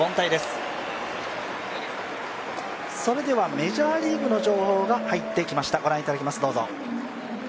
メジャーリーグの情報が入ってきました。